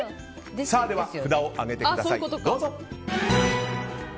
では札を上げてください。